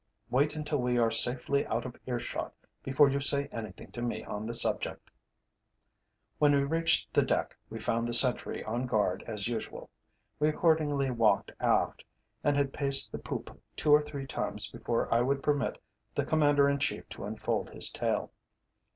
Wait until we are safely out of ear shot before you say anything to me on the subject." When we reached the deck we found the sentry on guard as usual. We accordingly walked aft, and had paced the poop two or three times before I would permit the Commander in Chief to unfold his tale.